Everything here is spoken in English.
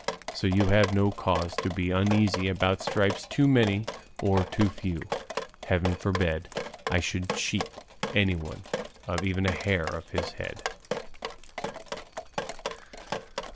So you have no cause to be uneasy about stripes too many or too few; heaven forbid I should cheat anyone of even a hair of his head."